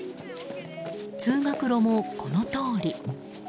通学路も、この通り。